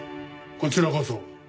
こちらこそ。